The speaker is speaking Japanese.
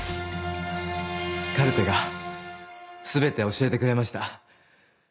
カルテが全て教えてくれました。